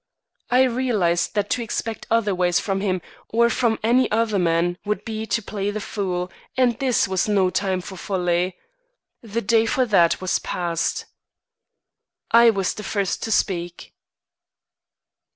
I realised that to expect otherwise from him or from any other man would be to play the fool; and this was no time for folly. The day for that was passed. I was the first to speak.